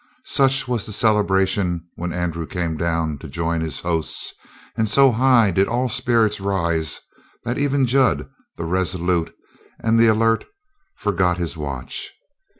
Such was the celebration when Andrew came down to join his hosts, and so high did all spirits rise that even Jud, the resolute and the alert, forgot his watch.